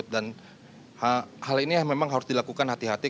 dan hal ini memang harus dilakukan hati hati